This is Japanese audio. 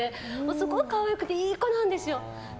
すごく可愛くていい子なんですよ。